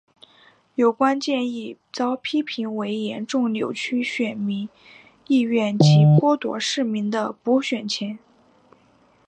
有关建议遭批评为严重扭曲选民意愿及剥夺市民的补选权。